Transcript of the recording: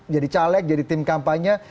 jadi caleg jadi tim kampanye